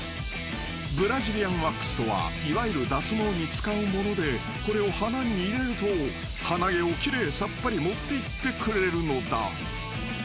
［ブラジリアンワックスとはいわゆる脱毛に使うものでこれを鼻に入れると鼻毛を奇麗さっぱり持っていってくれるのだ］